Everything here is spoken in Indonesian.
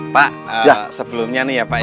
pak sebelumnya nih ya pak